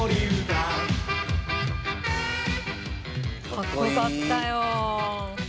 かっこよかったよ。